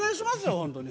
本当に。